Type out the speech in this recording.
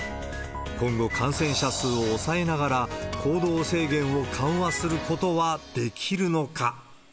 今後感染者数を抑えながら、行動制限を緩和することはできるのか。